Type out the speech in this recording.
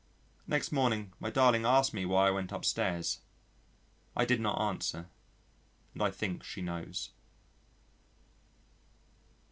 Next morning my darling asked me why I went upstairs. I did not answer, and I think she knows.